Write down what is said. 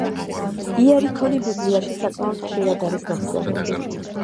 იერიქონი ბიბლიაში საკმაოდ ხშირად არის ნახსენები.